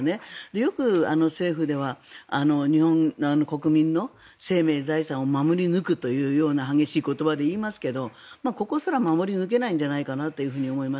よく、政府では日本の国民の生命、財産を守り抜くと激しい言葉で言いますがここすら守り抜けないんじゃないかと思います。